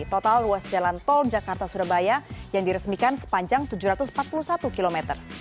total luas jalan tol jakarta surabaya yang diresmikan sepanjang tujuh ratus empat puluh satu km